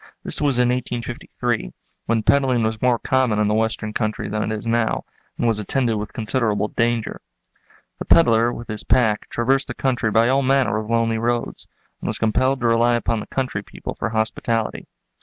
This was in 1853, when peddling was more common in the Western country than it is now, and was attended with considerable danger. The peddler with his pack traversed the country by all manner of lonely roads, and was compelled to rely upon the country people for hospitality.